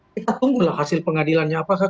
kita tunggulah hasil pengadilannya apakah